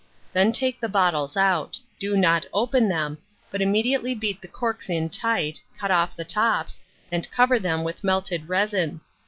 Then take the bottles out; do not open them, but immediately beat the corks in tight, cut off the tops, and cover them with melted resin.